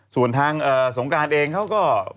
ส่วนทางสงการเองเขาก็